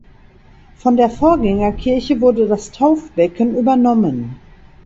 Von der Vorgängerkirche wurde das Taufbecken übernommen.